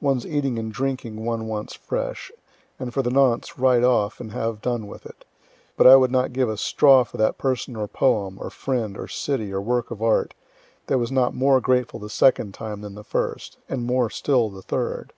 One's eating and drinking one wants fresh, and for the nonce, right off, and have done with it but I would not give a straw for that person or poem, or friend, or city, or work of art, that was not more grateful the second time than the first and more still the third.